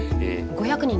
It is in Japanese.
５００人に？